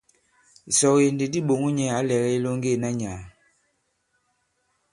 Ìsɔge ndi di ɓòŋo nyɛ̄ ǎ lɛ̀gɛ ilɔŋge ìna nyàà.